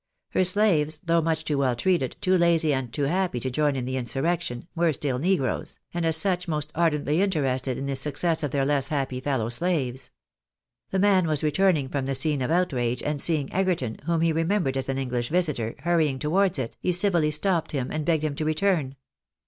Her slaves, though much too well treated, too lazy, and too happy, to join in the insurrection, were still negroes, and as such most ardently interested in the suc cess of their less happy fellow slaves. The man was returning from the scene of outrage, and seeing Egerton, whom he remem bered as an English visitor, hurrying towards it, he civiUy stopped him and begged him to return.